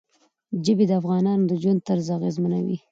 ژبې د افغانانو د ژوند طرز اغېزمنوي.